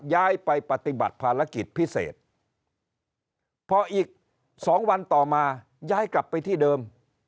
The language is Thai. ย้ายไปปฏิบัติภารกิจพิเศษพออีก๒วันต่อมาย้ายกลับไปที่เดิม